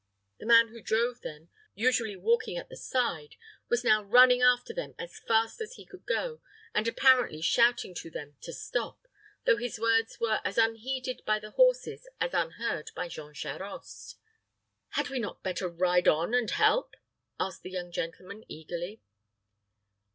The man who drove them, usually walking at the side, was now running after them as fast as he could go, and apparently shouting to them to stop, though his words were as unheeded by the horses as unheard by Jean Charost. "Had we not better ride on and help?" asked the young gentleman, eagerly.